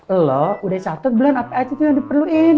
elo udah nyatut bulan apa aja yang diperluin